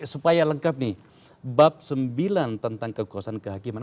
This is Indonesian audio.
supaya lengkap nih bab sembilan tentang kekuasaan kehakiman